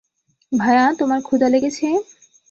ভায়া, তোমার ক্ষুধা লেগেছে?